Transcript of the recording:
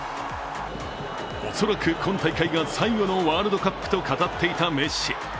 恐らく今大会が最後のワールドカップと語っていたメッシ。